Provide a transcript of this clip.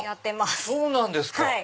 あっそうなんですか！